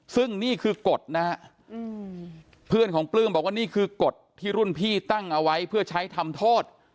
ซึ่งนี่คือกฎนะฮะเพื่อนของปลื้มบอกว่านี่คือกฎที่รุ่นพี่ตั้งเอาไว้เพื่อใช้ทำโทษ